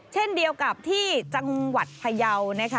เช่นเดียวกับที่จังหวัดภะเยาว์